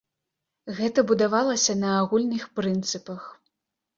Гэта будавалася на агульных прынцыпах.